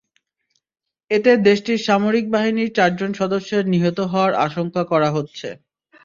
এতে দেশটির সামরিক বাহিনীর চারজন সদস্যের নিহত হওয়ার আশঙ্কা করা হচ্ছে।